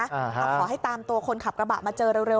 ขอให้ตามตัวคนขับกระบะมาเจอเร็ว